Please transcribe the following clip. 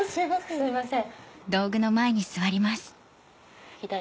すいません。